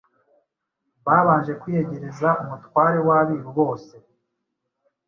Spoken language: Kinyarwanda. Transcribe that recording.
Babanje kwiyegereza umutware w’Abiru bose,